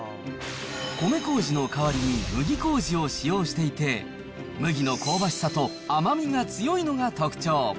米こうじの代わりに麦こうじを使用していて、麦の香ばしさと甘みが強いのが特徴。